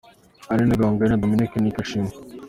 Aline Gahongayire na Dominic Nic Ashimwe.